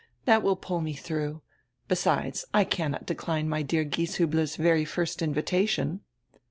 That will pull me through. Besides, I cannot decline my dear Gieshiibler's very first invita tion."